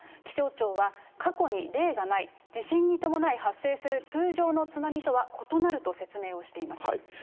気象庁は、過去に例がない、地震に伴い発生する通常の津波とは異なると説明をしています。